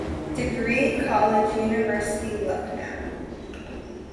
Degree College University Lucknow.